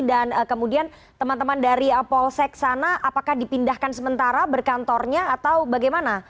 dan kemudian teman teman dari polsek sana apakah dipindahkan sementara berkantornya atau bagaimana